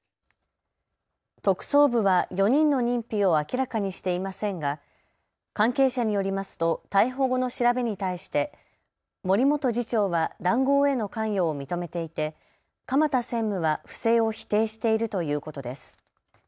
特捜部は４人の認否を明らかにしていませんが関係者によりますと逮捕後の調べに対して森元次長は談合への関与を認めていて、鎌田専務は不正を否定しているということです。